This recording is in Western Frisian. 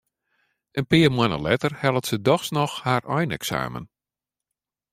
In pear moanne letter hellet se dochs noch har eineksamen.